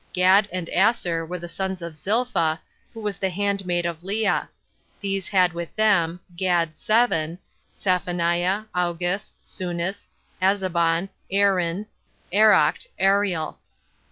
Gad and Aser were the sons of Zilpha, who was the handmaid of Lea. These had with them, Gad seven Saphoniah, Augis, Sunis, Azabon, Aerin, Erocd, Ariel.